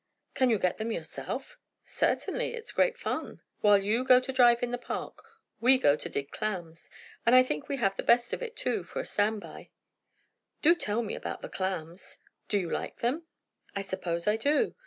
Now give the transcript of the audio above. "Can you get them yourself?" "Certainly! It is great fun. While you go to drive in the Park, we go to dig clams. And I think we have the best of it too, for a stand by." "Do tell me about the clams." "Do you like them?" "I suppose I do.